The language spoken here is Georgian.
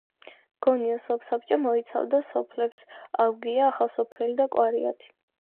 გონიოს სოფსაბჭო მოიცავდა სოფლებს ავგია, ახალსოფელი და კვარიათი.